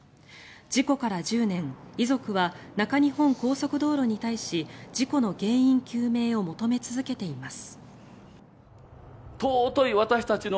事故から１０年、遺族は中日本高速道路に対し事故の原因究明を求め続けています。